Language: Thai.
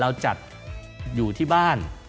เราจัดอยู่ที่บ้าน